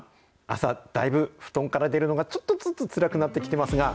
朝、だいぶ布団から出るのがちょっとずつ、つらくなってきてますが。